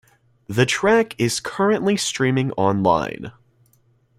The track is currently streaming online.